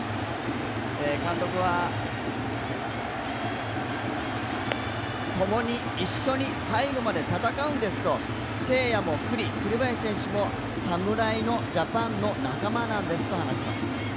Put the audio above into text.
監督はともに一緒に最後まで戦うんですと誠也も栗林選手も侍ジャパンの仲間なんですと話しました。